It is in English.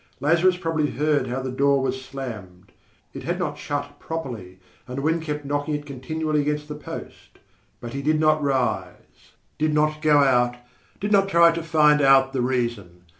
Lazarus probably heard how the door was slammed it had not shut properly and the wind kept knocking it continually against the post but he did not rise, did not go out, did not try to find out the reason.